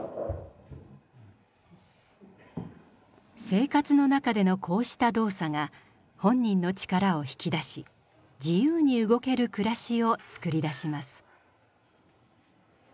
生活の中でのこうした動作が本人の力を引き出し自由に動ける暮らしを作り出します。